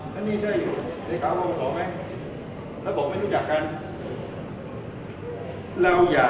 ไม่ถามลองโจ๊กซ์สิก็สืบสวนสอบสวนชาปโภงบ้าง